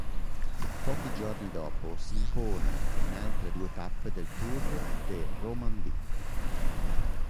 Pochi giorni dopo si impone in altre due tappe del Tour de Romandie.